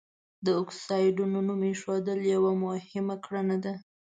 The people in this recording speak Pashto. د اکسایډونو نوم ایښودل یوه مهمه کړنه ده.